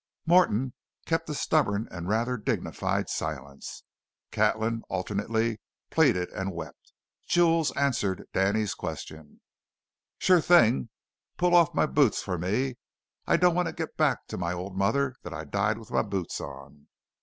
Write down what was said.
Morton kept a stubborn and rather dignified silence. Catlin alternately pleaded and wept. Jules answered Danny's question: "Sure thing! Pull off my boots for me. I don't want it to get back to my old mother that I died with my boots on!"